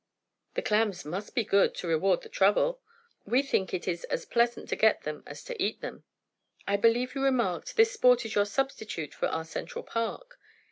"The clams must be good, to reward the trouble?" "We think it is as pleasant to get them as to eat them." "I believe you remarked, this sport is your substitute for our Central Park?"